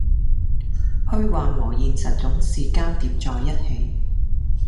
虛幻和現實總是交疊在一起